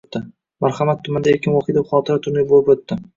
Marhamat tumanida Erkin Vohidov xotira turniri bo‘lib o‘tdi